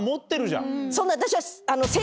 そんな私は。